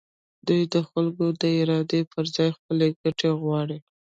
دوی د خلکو د ارادې پر ځای خپلې ګټې غواړي.